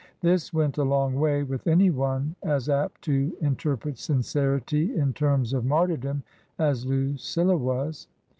This went a long way with anyone as apt to inter pret sincerity in terms of martyrdom as Lucilla was.